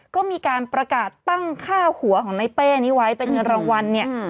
ก็มีการประกาศตั้งค่าหัวของในเป้นี้ไว้เป็นเงินรางวัลเนี่ย